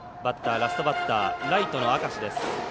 ラストバッター、ライトの明石です。